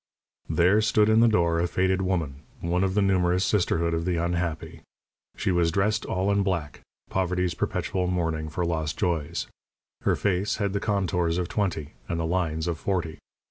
There stood in the door a faded woman, one of the numerous sisterhood of the unhappy. She was dressed all in black poverty's perpetual mourning for lost joys. Her face had the contours of twenty and the lines of forty.